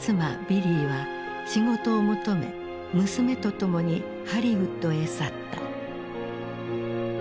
ビリーは仕事を求め娘と共にハリウッドへ去った。